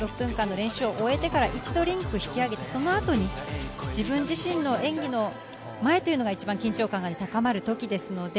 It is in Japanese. ６分間の練習を終えてから一度リンクを引き上げて、その後に自分自身の演技の前が一番緊張感が高まる時です。